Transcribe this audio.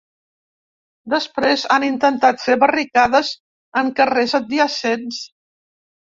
Després, han intentat fer barricades en carrers adjacents.